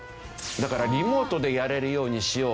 だからリモートでやれるようにしよう。